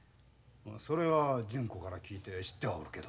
それは純子から聞いて知ってはおるけど。